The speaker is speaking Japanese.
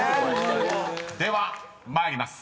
［では参ります。